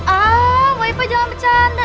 ah mbak ipa jangan bercanda